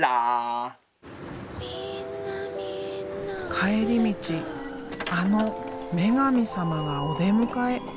帰り道あの女神様がお出迎え。